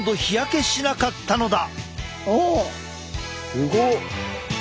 すごっ！